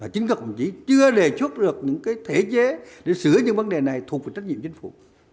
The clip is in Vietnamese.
chính các đồng chí chưa đề xuất được những thể chế để sửa những vấn đề này thuộc về trách nhiệm chính phủ